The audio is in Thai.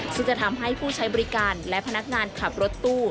ซึ่งจะทำให้ผู้ใช้บริการและพนักงานขับรถตู้